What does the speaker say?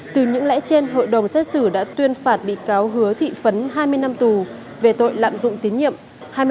từ những lẽ trên hội đồng xét xử đã tuyên phạt bị cáo hứa thị phấn hai mươi năm tù về tội lạm dụng tín nhiệm